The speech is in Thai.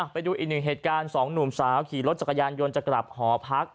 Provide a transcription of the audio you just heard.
ไปดูอีกหนึ่งเหตุการณ์สองหนุ่มสาวขี่รถจักรยานยนต์จะกลับหอพัก